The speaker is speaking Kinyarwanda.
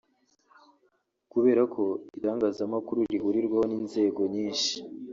Kubera ko Itangazamakuru rihurirwaho n’inzego nyishi